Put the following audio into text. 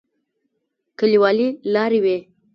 کليوالي لارې وې.